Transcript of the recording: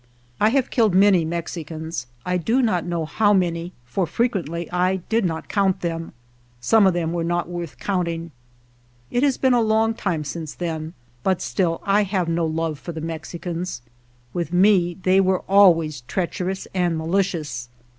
I have killed many Mexicans ; I do not know how many, for frequently I did not count them. Some of them were not worth counting. It has been a long time since then, but still I have no love for the Mexicans. With me they were always treacherous and malicious.